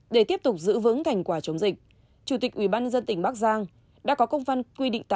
để tiếp tục giữ vững thành quả chống dịch chủ tịch ubnd tỉnh bắc giang đã có công văn quy định tám